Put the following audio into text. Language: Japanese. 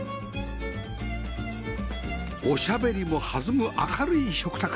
おしゃべりも弾む明るい食卓